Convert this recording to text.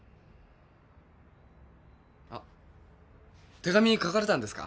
手紙書かれたんですか？